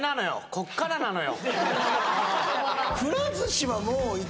ここからなのよ